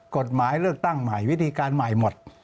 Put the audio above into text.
กฎหมายเลือกตั้งใหม่วิธีการใหม่หมด